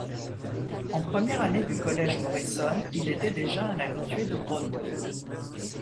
En première année du collège Morrison, il était déjà un habitué de Broadway.